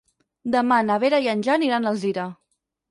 Demà na Vera i en Jan iran a Alzira.